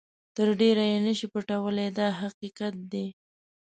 تر ډېره یې نه شئ پټولای دا حقیقت دی.